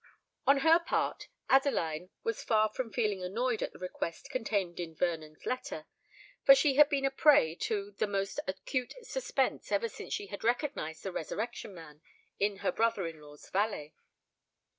On her part, Adeline was far from feeling annoyed at the request contained in Vernon's letter; for she had been a prey to the most acute suspense ever since she had recognised the Resurrection Man in her brother in law's valet.